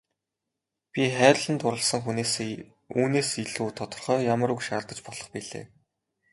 Би хайрлан дурласан хүнээсээ үүнээс илүү тодорхой ямар үг шаардаж болох билээ.